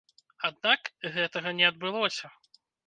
Аднак, гэтага не адбылося.